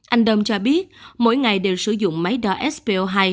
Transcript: anh đông cho biết mỗi ngày đều sử dụng máy đo spo hai